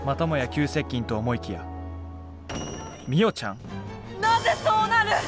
急接近と思いきやなぜそうなる！？